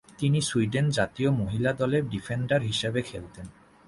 তিনি সুইডেন জাতীয় মহিলা দলে ডিফেন্ডার হিসেবে খেলতেন।